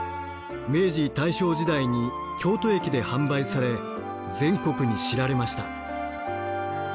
明治・大正時代に京都駅で販売され全国に知られました。